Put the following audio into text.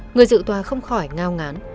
người dự tòa không khỏi ngao ngán